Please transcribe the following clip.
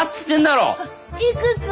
いくつ？